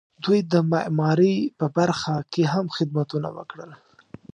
دوی د معمارۍ په برخه کې هم خدمتونه وکړل.